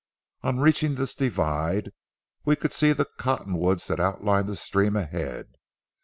On reaching this divide, we could see the cotton woods that outlined the stream ahead.